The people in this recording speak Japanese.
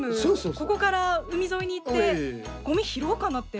ここから海沿いに行ってごみ拾おうかなって。